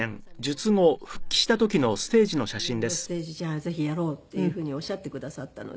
それで真代さんにご相談したら復帰のステージじゃあぜひやろうっていうふうにおっしゃってくださったので。